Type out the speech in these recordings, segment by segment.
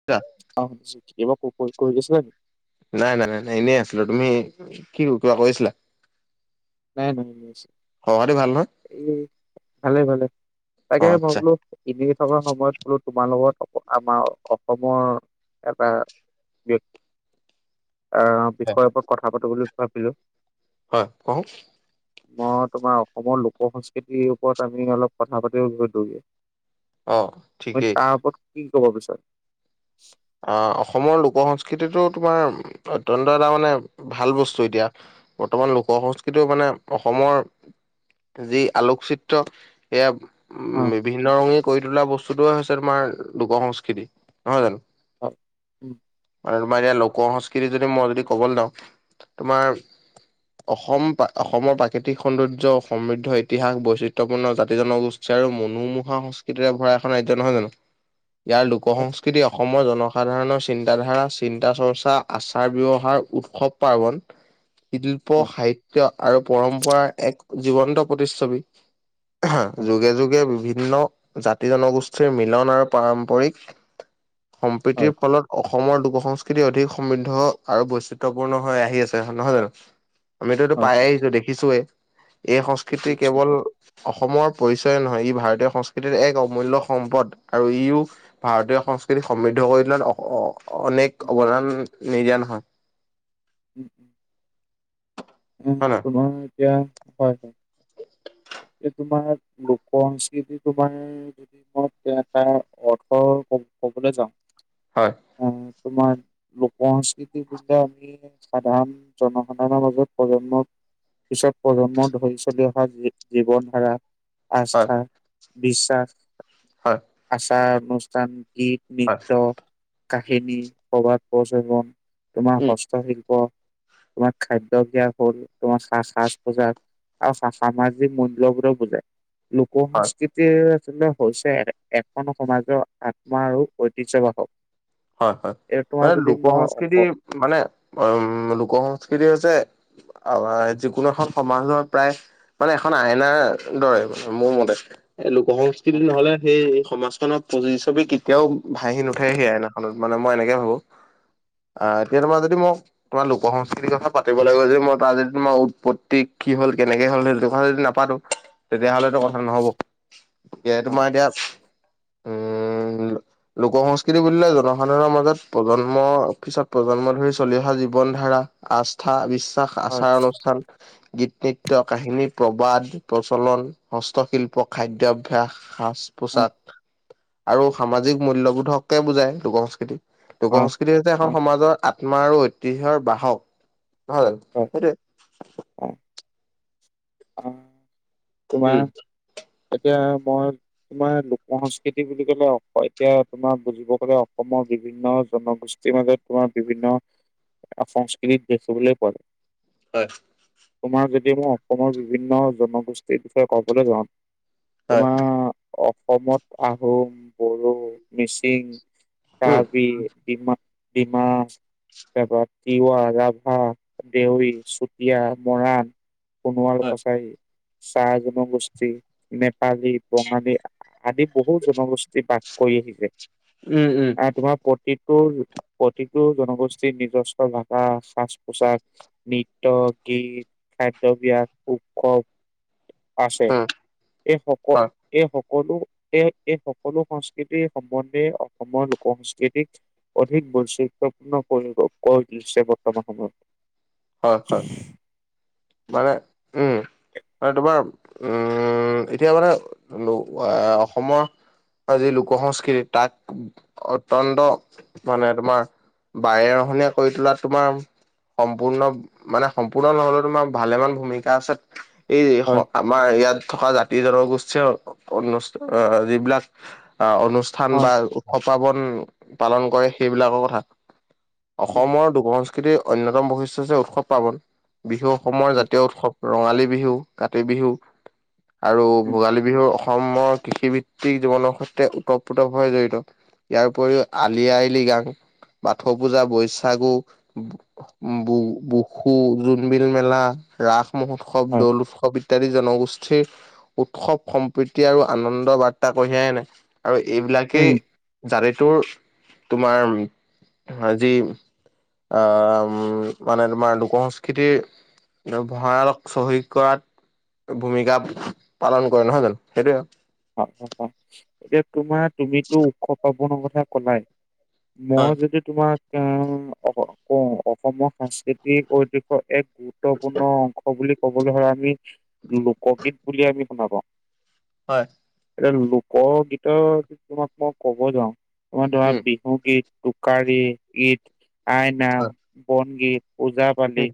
[unintelligible] [unintelligible] নাই নাই নাই নাই এনেই আছিলো তুমি কি কিবা কৰিছিলা। নাই নাই খবৰ খাতি ভাল নহয় এই ভালে ভালে অ তাকে মই আচ্ছা বলো [inaudible] থকা সময়ত বলো তোমাৰ লগত আমাৰ অসমৰ এটা [unintelligible] [unintelligible] আহ বিষয়ৰ ওপৰত কথা পাতো বুলি ভাবিলো হয় কওক মই তোমাৰ অসমৰ লোক সংস্কৃতিৰ ওপৰত আমি অলপ কথা পাতিব বিচাৰিছোঁ দুয়োৱে অ মই ঠিকেই তাৰ ওপৰত কি কব বিচাৰো অ অসমৰ লোক সংস্কৃতিটো তোমাৰ অত্যন্ত এটা মানে ভাল বস্তু এতিয়া, বৰ্তমান লোক সংস্কৃতিও মানে অসমৰ যি আলোকচিত্ৰ সেয়া অ। ভিন্ন ৰঙী কৰি তোলা বস্তুটোয়ে হৈছে তোমাৰ লোক সংস্কৃতি। নহয় জানো? হয়, উম। মানে তোমাৰ এতিয়া লোক সংস্কৃতি যদি মই যদি ক'বলৈ যাওঁ তোমাৰ অসম অসমৰ প্ৰাকৃতিক সৌন্দৰ্য সমৃদ্ধ ইতিহাস বৈচিত্ৰপূৰ্ণ জাতি জনগো ষ্ঠী আৰু মনোমোহা সংস্কৃতিৰে ভৰা এখন ৰাজ্য নহয় জানো? ইয়াৰ লোক হয় সংস্কৃতি অসমৰ জন সাধাৰণৰ চিন্তাধাৰা, চিন্তা- চৰ্চা, আচাৰ -ব্যৱহাৰ, উৎসৱ- পাৰ্বন শিল্প হয় -সাহিত্য আৰু পৰম্পৰাৰ এক জীৱন্ত প্ৰতিচ্ছবি অহ হয় যুগে যুগে বিভিন্ন জাতি জনগোষ্ঠীৰ মিলন আৰু পাৰম্পৰিক হয় সম্প্ৰীতিৰ হয় ফলত অসমৰ লোক সং স্কৃতি অধিক সমৃদ্ধ আৰু বৈচিত্ৰপূৰ্ণ হৈ আহি আছে নহয় জানো? আমিতো এইটো হয় পাইয়ে হয়। আহিছো দেখিছোৱে, এই সংস্কৃতি ঠিকেই কৈছে কেৱল হয়। অসমৰ পৰিচয় নহয় ই ভাৰতীয় সংস্কৃতিৰ এক অমূল্য সম্পদ আৰু ইও ভাৰতীয় সংস্কৃতিক সমৃদ্ধ কৰি তোলাত অ - অ উম, -অনেক অৱদান নিদিয়া নহয় উ, উ, হয় তোমাৰ এতিয়া হয়, হয়। [unintelligible] লোকসংস্কৃতি তোমাৰ সেই [unintelligible] এটা অৰ্থ ক ক'বলৈ যাওঁ হয়। অ তোমাৰ লোক সংস্কৃতি বুলিলে আমি সাধাৰণ জনসাধাৰণৰ মাজত প্ৰজন্মৰ পিছত প্ৰজন্ম ধৰি চলি অহা যি জীৱনধাৰা, হয় আস্থা, বিশ্বাস হয়। আচাৰ অনুষ্ঠান গীত হয় নৃত্য কাহিনী প্ৰবাদ, প্ৰচলন তোমাৰ উম হস্তশিল্প তোমাৰ খাদ্যভ্যাস হল, তোমাৰ সা-সাজ পোজাক আৰু সামাজিক মূল্যবোধক বুজাই লোক হয় সংস্কৃতিৰ আচলতে হৈছে এখন সমাজৰ আত্মা আৰু ঐতিহ্যবাহক হয়, হয়, মানে লোক সংস্কৃতি অস- মানে উম লোক সংস্কৃতি হৈছে অ যিকোনো এখন সমাজৰ প্ৰায় মানে এখন আইনাৰ দৰে মোৰ মতে। এ লো লোক সংস্কৃতি নহ'লে সেই সমাজখনত পতি চবি কেতিয়াও ভাঁহি নুঠে সেই আইনা। মানে মই এনেকে ভাবোঁ, আহ এতিয়া তোমাৰ যদি মোক তোমাৰ লোক সংস্কৃতিৰ কথা পাতিবলৈ গৈ যদি মই তাত যদি তোমাৰ উৎপত্তি কি হ'ল, কেনেকে হ'ল সেইটো কথা যদি না পাতোঁ তেতিয়াহলেতো কথা নহ'ব। এ হয় তোমাৰ এতিয়া উ উম, লোক সংস্কৃতি বুলিলে য জনসাধাৰণৰ মাজত প্ৰজন্মৰ পিছত প্ৰজন্ম ধৰি চলি অহা জীৱন ধাৰা আস্থা, বিশ্বাস, হয় আচাৰ - অনুষ্ঠান গীত- নৃত্য, কাহিনী, প্ৰবাদ, প্ৰচলন হস্তশিল্প খাদ্যভ্যাস, হয় সাজ-পোচাক আৰু সামাজিক মূল্যবোধকে বুজায়। লোক সংস্কৃতি। লোক সংস্কৃতি হৈছে এখন হয় হয় সমাজৰ আত্মা আৰু ঐতিহ্যৰ বাহক। হয় সেইটোৱে। অ। তোমাৰ উম এতিয়া মই তোমাৰ লোক সংস্কৃতি বুলি ক'লে, এতিয়া তোমাৰ বুজিব গ'লে অসমৰ বিভিন্ন জনগোষ্ঠ [unintelligible] মাজত তোমাৰ বিভিন্ন সংস্কৃতিত দেখিবলৈ পোৱা যায়। হয়। তোমাৰ যদি মই অসমৰ বিভিন্ন জনগোষ্ঠীৰ বিষয়ে ক'বলৈ যাওঁ হয় তোমাৰ অসমত আহোম, বড়ো, মিচিং, হয় কাড়বি, ডিমা- ডিমা তাৰপৰা তিৱা, ৰাভা, দেউৰী, চুতীয়া, মৰাণ। উম সোনোৱাল-কছাৰী, চাহ জনগোষ্ঠী নেপালী, বঙালী আদি বহু জনগোষ্ঠী বাস কৰি আহিলে। উম উম। তোমাৰ প্ৰতিটো প্ৰতিটো জনগোষ্ঠীৰ নিজস্ব ভাষা সাজ-পোছাক নৃত্য, গীত, খাদ্যবিয়াস, উৎসৱ আছে। এই সক হয় এই সকলো, এ এই সকলো সংস্কৃতিৰ সম্বন্ধে অসমৰ লোক সংস্কৃতিক অধিক বৈচিত্ৰয়পূৰ্ণ কৰিব কই কিছ বৰ্তমান সময়ত। হয় হয়, উম, মানে উম। মানে তোমাৰ, উম এতিয়া মানে অসমৰ যি লোক সংস্কৃতি তাক অত্যয়ন্ত মানে তোমাৰ বায়ে ৰহনীয়া কৰি তোলা তোমাৰ সম্পূৰ্ণ মানে সম্পূৰ্ণ নহ'লে তোমাৰ ভালে মান ভূমিকা আছে এই হয় আমাৰ ইয়াত থকা জাতি-জনগোষ্ঠীয়, অনুষ্ঠ যিবিলাক আ অনু ঠান বা হয় উৎসৱ-পাৰ্বন পালন কৰে সেইবিলাকৰ কথা। উম অসমৰ দু কৃতিৰ অন্যতম বৈশিষ্ট্য হৈছে, উৎসৱ-পাৰ্বন। বিহু অসমৰ হয় জাতীয় উৎসৱ। ৰঙালী বিহু, কাতি বিহু, আৰু উম ভোগালী বিহু অসমৰ কৃষি কি জীৱনৰ সৈতে ওতঃপ্ৰোতপভ জড়িত। ইয়াৰ উপৰিও আলি আই লিগাং, বাথৌ পূজা, বৈশাগুহ, বু বসু, জোনবিল মেলা, ৰাস মহোৎসৱ, হয় দৌল উৎসৱ ইত্যাদি জনগোষ্ঠীৰ উৎসৱ সম্প্ৰীতি আৰু আনন্দ বাৰ্তা কঢ়িয়াই আনে। আৰু উম এইবিলাকেই জাতেটোৰ তোমাৰ যি আ ম মানে তোমাৰ লোক সংস্কৃতিৰ ভয়ালক চহী কৰাত ভূমিকা পালন কৰে নহয় জানোঁ? সেইটোয়ে আৰু। এতিয়া তোমাৰ তুমিতো উৎস পাবনৰ কথা কলাই। হয় মই যদি তোমাক অসমৰ সংস্কৃতিক ঐতিহ্যৰ এক গোট গুৰুত্বপূৰ্ণ অংশ বুলি ক'বলৈ হ'লে আমি লোকগীত বুলি আমি শুনা পাওঁ। হয়। এ লোকগীতৰ [unintelligible] তোমাক মই ক'ব যাওঁ তোমাৰ ধৰা [unintelligible] উম বহু গীত, টোকাৰী গীত, আইনাম, হয় বনগীত ওজা-পালি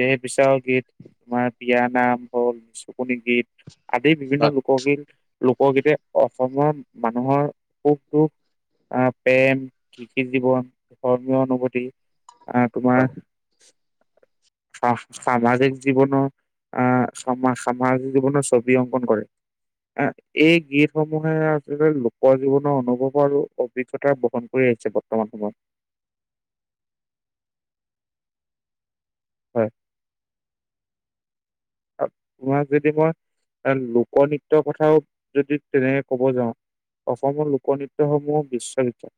দেহ বিচাৰৰ গীত। তোমাৰ বিয়া নাম হ'ল নিচুকণি গীত আদি হয় বিভিন্ন লোকগীত লোকগীতে অসমৰ মানুহৰ সুখ-দুখ আহ পেম, কৃষি-জীৱন, ধৰ্মীয় অনুভূতি আহ তোমাৰ হয়। আহ সামাজিক জীৱনত আহ সামা সামাজিক জীৱনত ছবি অংকন কৰে। [unintelligible] এই গীতসমূহে [unintelligible] লোকৰ জীৱনৰ অনুভৱ আৰু অভিজ্ঞতা বহন কৰি আহিছে তোমাক- তোমাক হয়। তোমাক যদি মই এ লোকনৃত্যৰ কথাও যদি তেনেকে ক'ব যাওঁ অসমৰ লোকনৃত্যসমূহ বিশ্বহিত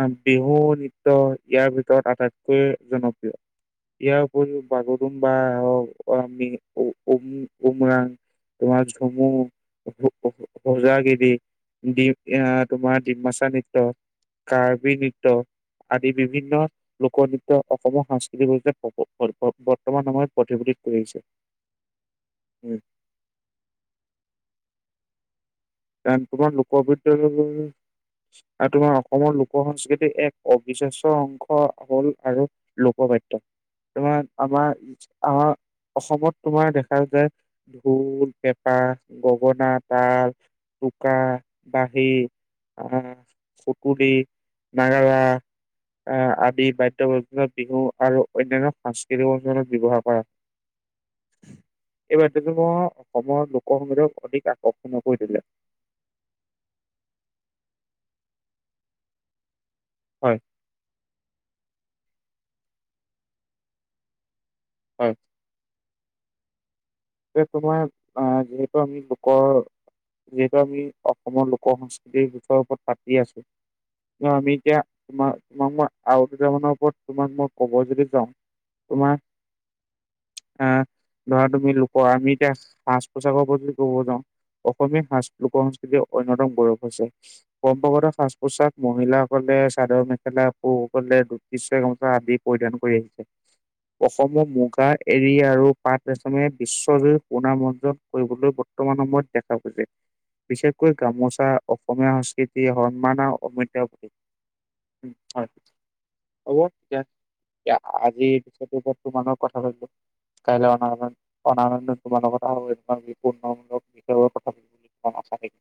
আহ, বিহু নৃত্য ইয়াৰ ভিতৰত আটাইতকৈ জনপ্ৰিয়। ইয়াৰ উপৰিও বাগৰুম বা [unintelligible] আমি উম- উমৰাং [unintelligible] উজাগিৰি দীপ ইয়াহ তোমাৰ ডিমাছা নৃত্য, কাৰ্বি নৃত্য আদি বিভিন্ন লোকনৃত্য অসমৰ সংস্কৃতিকে [unintelligible] বৰ্তমান সময়ত প্ৰতি [unintelligible] কৰি আহিছে। উম। কাৰণ তোমাৰ লোকগীতৰ আৰু তোমাৰ অসমৰ লোক সংস্কৃতিৰ এক অবিশ্বাস্য অংশ হল আৰু লোকবাদ্য তোমাৰ আমাৰ- আমাৰ অসমত তোমাৰ দেখা যায় ঢোল, পেঁপা, গগনা, তাল উকা বাঁহী আহ সুতুলি নাগাৰা আহ, আদি বাদ্য [unintelligible] বিহু আৰু অন্যান্য সাংস্কৃতিক অধ্যয়নত ব্যৱহাৰ কৰা [inaudible] এই বাদ্য [unintelligible] অসমৰ লোক সংগীতক অধিক আকৰ্ষণীয় কৰি দিলে। হয়। হয়। এ তোমাৰ আহ, যিহেতু আমি লোকৰ যিহেতু আমি অসমৰ লোক সংস্কৃতি গুথৰ ওপৰত পাতি আছোঁ। ন, আমি এতিয়া তোমাক -তোমাক মই আৰু দুটা মানৰ ওপৰত তোমাক মই কব যদি যাওঁ তোমাৰ আহ, ধৰা তুমি লো পৰা আমি এতিয়াচ সাজ- পোছাকৰ ওপৰত যদি ক'ব যাওঁ অসমীয়া সাজ লোক -সংস্কৃতিৰ অন্যতম গৌৰৱ হৈছে পৰম্পৰাগত সাজ- পোছাক মহিলাসকলে চাদৰ- মেখেলা [unintelligible] সকলে নিচ্ছয় গামোচা আদি পৰিধান কৰি আহিছে। অসমৰ মুগা এৰী আৰু পাট ৰেচমে বিশ্বজুৰি সুনাম অৰ্জন কৰিবলৈ বৰ্তমান সময়ত দেখা গৈজে। বিশেষকৈ গামোচা অসমীয়া সংস্কৃতি সন্মান আৰু অমূল্য উম, হয় অলপ ইয়াত এতিয়া আজিৰ পিছতটো [unintelligible] কাইলৈ অনা আগত। [unintelligible]